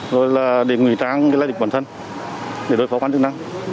rồi là để ngủy tráng cái lái địch bản thân để đối phó quan trọng năng